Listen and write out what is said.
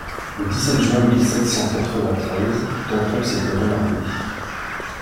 Le dix-sept juin mille sept cent quatre-vingt-treize, Danton s'était remarié.